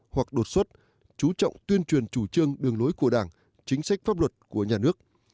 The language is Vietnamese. hoặc đột xuất chú trọng tuyên truyền chủ trương đường lối của đảng chính sách pháp luật của nhà nước